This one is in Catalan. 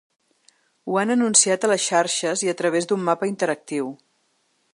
Ho van anunciat a les xarxes i a través d’un mapa interactiu.